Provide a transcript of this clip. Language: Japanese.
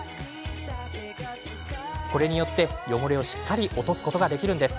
これによって汚れをしっかり落とすことができるんです。